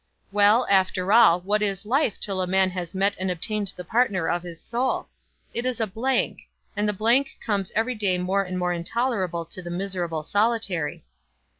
"Well, after all, what is life till a man has met and obtained the partner of his soul? It is a blank, and the blank becomes every day more and more intolerable to the miserable solitary."